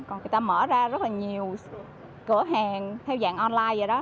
còn người ta mở ra rất là nhiều cửa hàng theo dạng online vậy đó